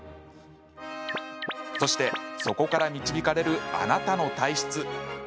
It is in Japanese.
そして、そこから導かれるあなたの体質。